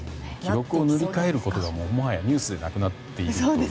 記録を塗り替えることがもはやニュースではなくなっているという。